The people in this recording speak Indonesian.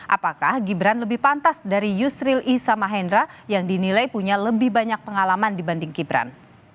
apakah gibran lebih pantas dari yusril isamahendra yang dinilai punya lebih banyak pengalaman dibanding gibran